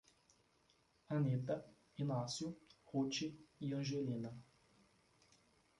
Anita, Inácio, Rute e Angelina